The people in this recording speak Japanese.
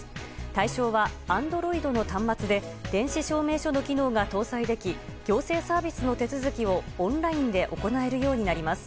対象はアンドロイドの端末で電子証明書の機能が搭載でき行政サービスの手続きをオンラインで行えるようになります。